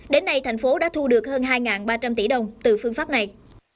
đến nay thành phố đã thu được hơn hai ba trăm linh tỷ đồng từ phương pháp này